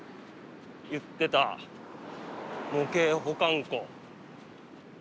言ってた模型保管庫。